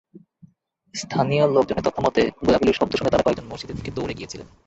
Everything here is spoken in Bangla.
স্থানীয় লোকজনের তথ্যমতে, গোলাগুলির শব্দ শুনে তাঁরা কয়েকজন মসজিদের দিকে দৌড়ে গিয়েছিলেন।